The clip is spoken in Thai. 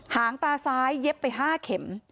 หางตาซ้ายเย็บไป๕เข็ม